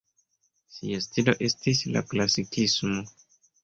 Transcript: Sia stilo estis la klasikismo.